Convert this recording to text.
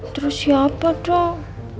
terus siapa dong